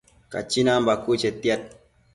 Cachinan bacuë chetiad